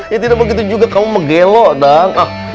ya tidak begitu juga kamu menggelo dong